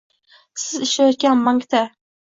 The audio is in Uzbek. siz ishlayotgan bankda